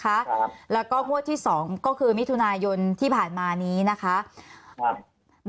ครับแล้วก็งวดที่สองก็คือมิถุนายนที่ผ่านมานี้นะคะครับ